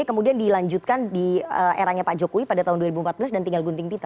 kemudian dilanjutkan di eranya pak jokowi pada tahun dua ribu empat belas dan tinggal gunting pita